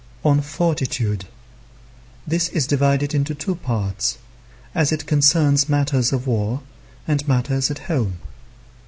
On fortitude. This is divided into two parts: as it concerns matters of war and matters at home.